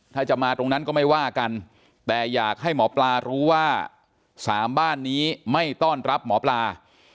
ถ้าจะมาตรงนั้นก็ไม่ว่ากันแต่อยากให้หมอปลารู้ว่าสามบ้านนี้ไม่ต้อนรับหมอปลา